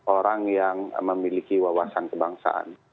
orang yang memiliki wawasan kebangsaan